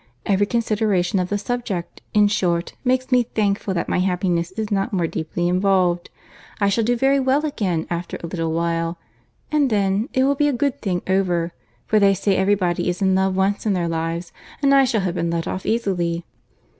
—Every consideration of the subject, in short, makes me thankful that my happiness is not more deeply involved.—I shall do very well again after a little while—and then, it will be a good thing over; for they say every body is in love once in their lives, and I shall have been let off easily."